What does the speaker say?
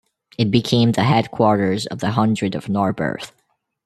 It became the headquarters of the hundred of Narberth.